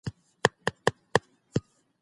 د انرژۍ د بدلون لپاره د خلګو سلوکونه مهم دي.